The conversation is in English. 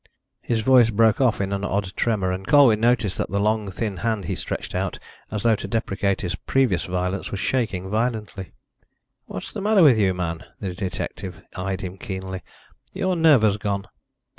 His voice broke off in an odd tremor, and Colwyn noticed that the long thin hand he stretched out, as though to deprecate his previous violence, was shaking violently. "What's the matter with you, man?" The detective eyed him keenly. "Your nerve has gone."